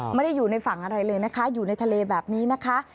ไม่ได้อยู่ในฝั่งอะไรเลยนะคะอยู่ในทะเลแบบนี้นะคะ